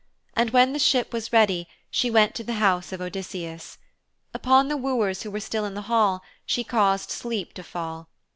And when the ship was ready she went to the house of Odysseus. Upon the wooers who were still in the hall she caused sleep to fall.